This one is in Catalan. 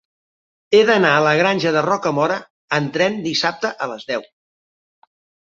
He d'anar a la Granja de Rocamora amb tren dissabte a les deu.